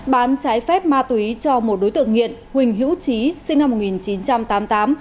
bán trái phép ma túy cho một đối tượng nghiện huỳnh hữu trí sinh năm một nghìn chín trăm tám mươi tám